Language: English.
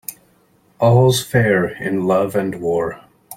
All's fair in love and war.